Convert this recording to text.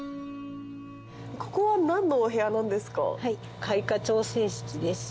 ここは何のお部屋なんですか？